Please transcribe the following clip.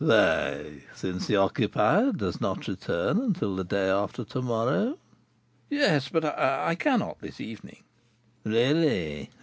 "Why, since the occupier does not return until the day after to morrow?" "Yes, but I I cannot this evening " "Really?